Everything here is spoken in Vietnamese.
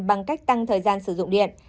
bằng cách tăng thời gian sử dụng điện